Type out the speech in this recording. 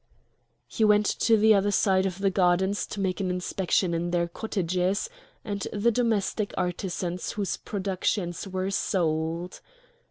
He went to the other side of the gardens to make an inspection in their cottages, of the domestic artisans whose productions were sold.